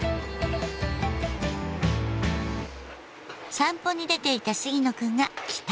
散歩に出ていた杉野くんが帰宅。